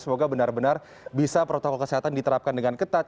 semoga benar benar bisa protokol kesehatan diterapkan dengan ketat